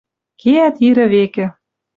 Кеӓт ирӹ векӹ;